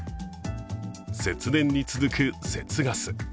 節電に続く節ガス。